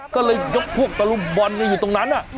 ก็เลยยกพวกตะลุมบอลกันอยู่ตรงนั้น